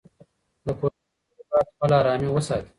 د کورنۍ غړي باید خپله ارامي وساتي.